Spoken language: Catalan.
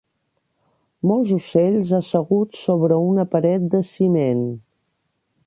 Molts ocells asseguts sobre una paret de ciment.